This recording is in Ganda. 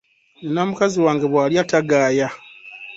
Nina mukazi wange bw’alya tagaaya.